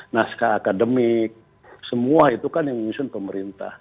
nasca akademik semua itu kan yang disusun pemerintah